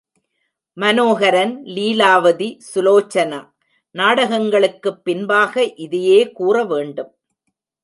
மனோஹரன், லீலாவதி சுலோசனா நாடகங்களுக்குப் பின்பாக இதையே கூற வேண்டும்.